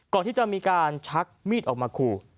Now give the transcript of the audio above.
ก่อนที่จะมีการชักมีดออกมาขู่